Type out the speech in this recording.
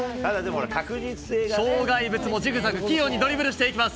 障害物もジグザグ、器用にドリブルしていきます。